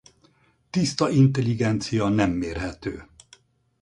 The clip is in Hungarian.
Tiszta intelligencia nem mérhető.